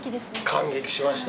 感激しました。